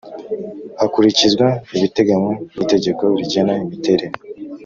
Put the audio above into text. hakurikizwa ibiteganywa n Itegeko rigena imiterere